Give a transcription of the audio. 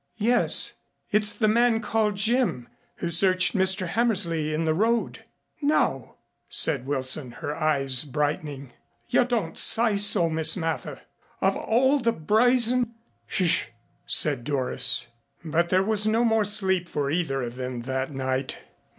"Yes. It's the man called Jim, who searched Mr. Hammersley in the road." "No," said Wilson, her eyes brightening. "You don't say so, Miss Mather. Of all the brazen " "Sh " said Doris. But there was no more sleep for either of them that night.